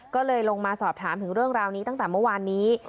ก็เลยลงมาสอบถามถึงเรื่องราวนี้ตั้งแต่เมื่อวานนี้